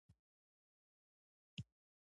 د حال په لیدو حوصله له لاسه مه ورکوئ.